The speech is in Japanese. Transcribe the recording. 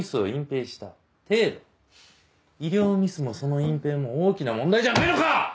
医療ミスもその隠蔽も大きな問題じゃないのか！